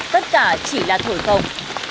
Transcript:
tất cả chỉ là thổi phồng